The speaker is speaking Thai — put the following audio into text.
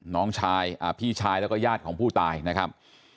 น้องชายพี่ชายแล้วก็ญาติของผู้ตายนะครับ